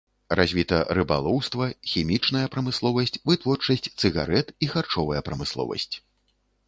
Развіта рыбалоўства, хімічная прамысловасць, вытворчасць цыгарэт і харчовая прамысловасць.